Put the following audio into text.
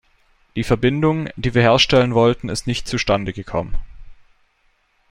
Die Verbindung, die wir herstellen wollten, ist nicht zustande gekommen.